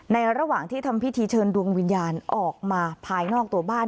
ระหว่างที่ทำพิธีเชิญดวงวิญญาณออกมาภายนอกตัวบ้าน